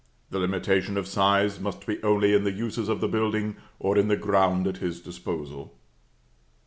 The limitation of size must be only in the uses of the building, or in the ground at his disposal.